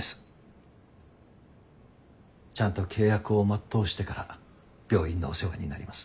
ちゃんと契約を全うしてから病院のお世話になります。